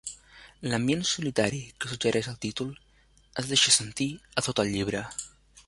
L'ambient solitari que suggereix el títol es deixa sentir a tot el llibre.